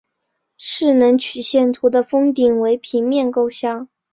势能曲线图的峰顶为平面构象。